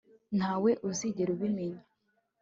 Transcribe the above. ntawe uzigera abimenya